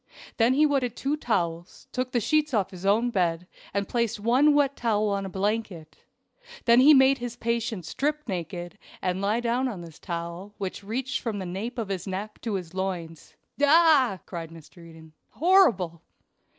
Then he wetted two towels, took the sheets off his own bed, and placed one wet towel on a blanket; then he made his patient strip naked, and lie down on this towel, which reached from the nape of his neck to his loins. "Ah!" cried Mr. Eden, "horrible!"